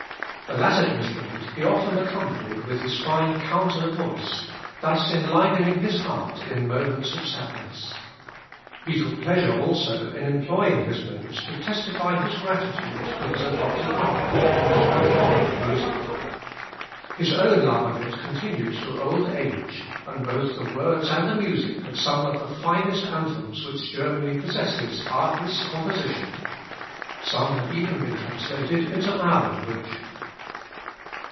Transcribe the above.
The latter instrument he often accompanied with his fine counter voice, thus enlivening his heart in moments of sadness. He took pleasure also in employing his notes to testify his gratitude to his adopted mother, who was very fond of music. His own love of it continued to old age, and both the words and the music of some of the finest anthems which Germany possesses are his composition. Some have even been translated into our language.